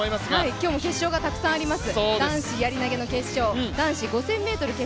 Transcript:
今日も決勝がたくさんあります。